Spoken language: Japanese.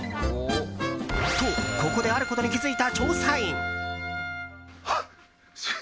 と、ここであることに気づいた調査員。